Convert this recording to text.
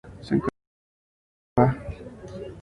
Se encuentra al sur del río Elba.